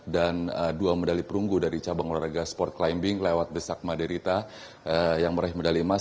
dan dua medali perunggu dari cabang olahraga sport climbing lewat besak maderita yang meraih medali emas